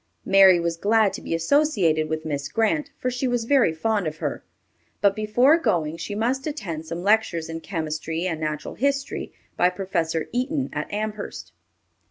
Mary was glad to be associated with Miss Grant, for she was very fond of her; but before going, she must attend some lectures in chemistry and natural history by Professor Eaton at Amherst.